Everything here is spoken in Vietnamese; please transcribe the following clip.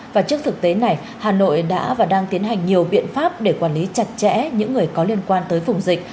và trước thực tế này hà nội đã và đang tiến hành nhiều biện pháp để quản lý chặt chẽ những người có liên quan tới vùng dịch